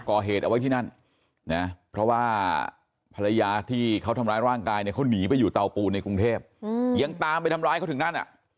ก่อเหตุเอาไว้ที่นั่นนะเพราะว่าภรรยาที่เขาทำร้ายร่างกายเนี่ยเขาหนีไปอยู่เตาปูนในกรุงเทพยังตามไปทำร้ายเขาถึงนั่นอ่ะ